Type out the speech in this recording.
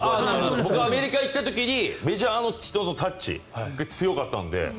僕、アメリカ行った時にメジャーの人のタッチが強かったので。